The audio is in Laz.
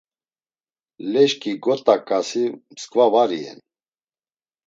Leşǩi got̆aǩasi msǩva var iyen.